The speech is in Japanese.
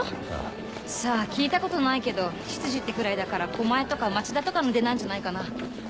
さあ聞いたことないけど執事ってぐらいだから狛江とか町田とかの出なんじゃないかな。